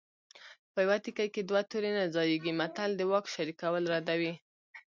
په یوه تیکي کې دوه تورې نه ځاییږي متل د واک شریکول ردوي